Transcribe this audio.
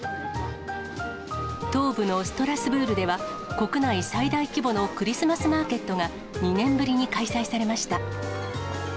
東部のストラスブールでは、国内最大規模のクリスマスマーケットが、２年ぶりに開催されました。